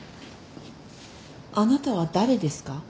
あなたは誰ですか？